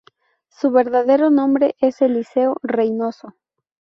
Su verdadero nombre es Eliseo Reynoso.